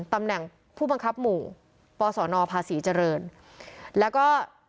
ตำแหน่งผู้บังคับหมู่ปสนภาษีเจริญแล้วก็